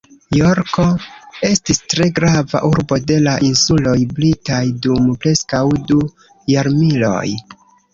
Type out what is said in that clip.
Jorko estis tre grava urbo de la insuloj britaj dum preskaŭ du jarmiloj.